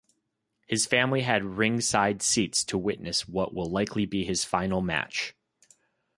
His family had ringside seats to witness what will likely be his final match.